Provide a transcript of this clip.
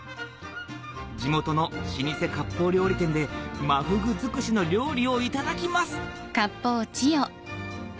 地元の老舗割烹料理店で真フグ尽くしの料理をいただきます